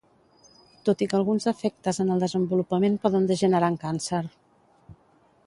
Tot i que alguns efectes en el desenvolupament poden degenerar en càncer.